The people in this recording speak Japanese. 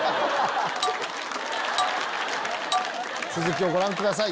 続きをご覧ください。